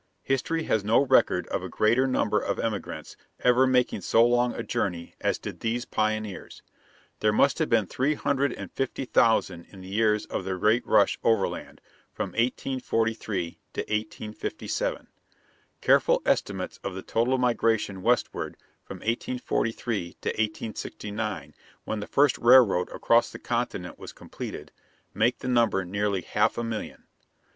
History has no record of a greater number of emigrants ever making so long a journey as did these pioneers. There must have been three hundred and fifty thousand in the years of the great rush overland, from 1843 to 1857. Careful estimates of the total migration westward from 1843 to 1869, when the first railroad across the continent was completed, make the number nearly half a million.